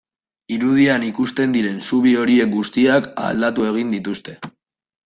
Irudian ikusten diren zubi horiek guztiak aldatu egin dituzte.